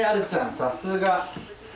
さすが。